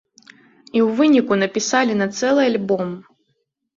І ў выніку напісалі на цэлы альбом.